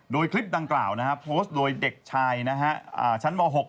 โดยคลิปดังกล่าวโพสต์โดยเด็กชายชั้นม๖